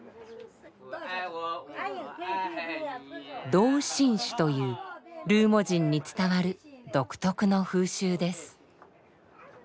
「同心酒」というルーモ人に伝わる独特の風習です。